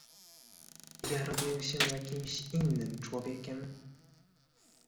"Ja robię się jakimś innym człowiekiem..."